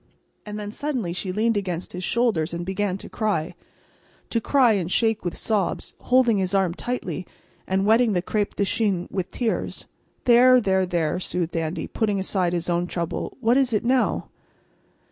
And then, suddenly she leaned against his shoulder and began to cry—to cry and shake with sobs, holding his arm tightly, and wetting the crêpe de Chine with tears. "There, there, there!" soothed Andy, putting aside his own trouble. "And what is it, now?"